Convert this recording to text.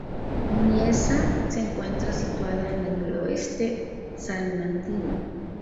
Mieza se encuentra situada en el noroeste salmantino.